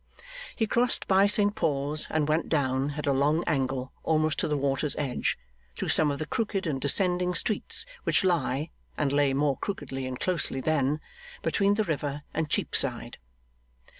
He crossed by St Paul's and went down, at a long angle, almost to the water's edge, through some of the crooked and descending streets which lie (and lay more crookedly and closely then) between the river and Cheapside.